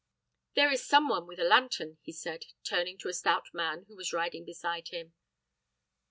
"There is some one with a lantern," he said, turning to a stout man who was riding beside him.